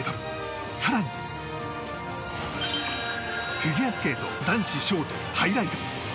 更に、フィギュアスケート男子ショートハイライト。